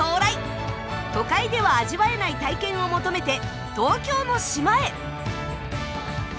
都会では味わえない体験を求めて東京の島へ。